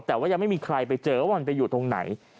แต่ว่ายังไม่มีใครไปเจอว่ามันไปอยู่ตรงไหน